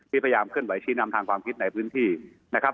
พยายามเคลื่อนไหชี้นำทางความคิดในพื้นที่นะครับ